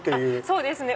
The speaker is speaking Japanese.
そうですね